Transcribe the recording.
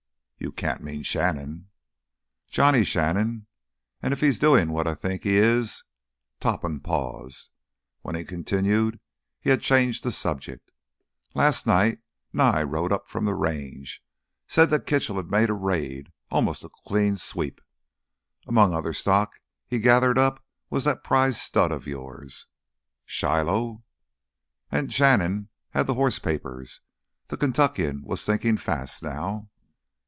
"You can't mean Shannon!" "Johnny Shannon. And if he's doing what I think he is...." Topham paused. When he continued he had changed the subject. "Last night Nye rode up from the Range. Said that Kitchell made a raid, almost a clean sweep. Among other stock he gathered up was that prize stud of yours." "Shiloh!" And Shannon had the horse papers! The Kentuckian was thinking fast now.